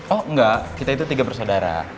oh enggak kita itu tiga bersaudara